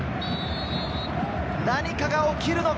何かが起きるのか？